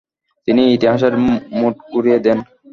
তিনি ইতিহাসের মোড় ঘুরিয়ে দেন।